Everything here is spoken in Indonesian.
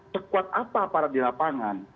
sekuat apa aparat di lapangan